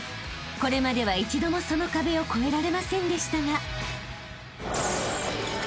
［これまでは一度もその壁を越えられませんでしたが］